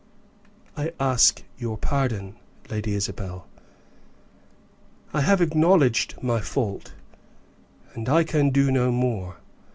"I ask your pardon, Lady Isabel; I have acknowledged my fault, and I can do no more.